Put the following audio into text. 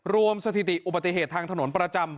สถิติอุบัติเหตุทางถนนประจำ